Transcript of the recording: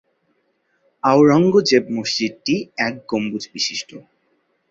আওরঙ্গজেব মসজিদটি এক গম্বুজ বিশিষ্ট।